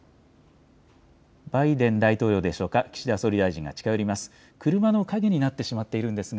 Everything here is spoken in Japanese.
バイデン大統領でしょうか、岸田総理大臣が近寄ります。